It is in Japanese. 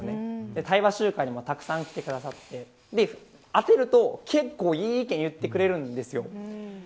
対話集会にもたくさん来てくださって聞いてみると、結構いい意見を言ってくれるんです。